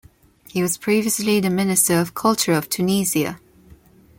He was previously the minister of culture of Tunisia.